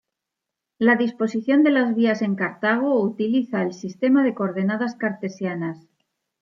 La disposición de las vías en Cartago utiliza el sistema de coordenadas cartesianas.